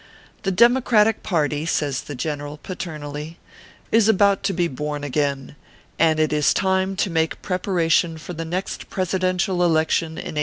The democratic party/ says the general, paternally, " is about to be born again, and it is time to make preparation for the next Presiden tial election in 1865.